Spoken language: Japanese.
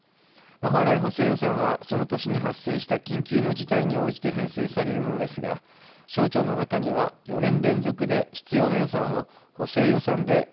本来補正予算はその年に発生した緊急の事態に応じて編成されるものですが省庁の中には４年連続で必要な予算を補正予算で獲得しているところも出てきています。